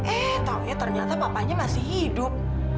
eh taunya ternyata papanya masih hidup